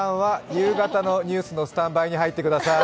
夕方のニュースのスタンバイに入ってください。